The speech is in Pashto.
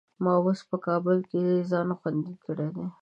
ما اوس په کابل کې ځان خوندي کړی دی.